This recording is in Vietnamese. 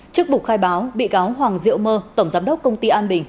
trước bục khai báo bị cáo hoàng diệu mơ tổng giám đốc công ty an bình